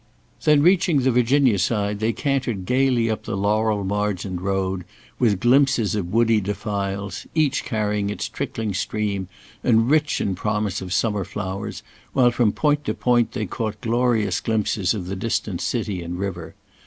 Then reaching the Virginia side they cantered gaily up the laurel margined road, with glimpses of woody defiles, each carrying its trickling stream and rich in promise of summer flowers, while from point to point they caught glorious glimpses of the distant city and river.